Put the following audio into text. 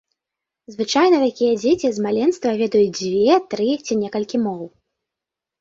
Звычайна такія дзеці з маленства ведаюць дзве, тры ці некалькі моў.